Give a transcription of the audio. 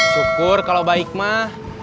syukur kalau baik mah